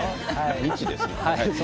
日ですね。